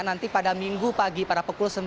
nanti pada minggu pagi pada pukul sembilan